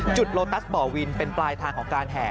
โลตัสบ่อวินเป็นปลายทางของการแห่